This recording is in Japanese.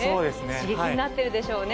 刺激になってるでしょうね。